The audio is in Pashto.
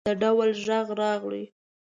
د ډول غږ راغی.